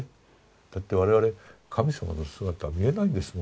だって我々神様の姿見えないんですもの。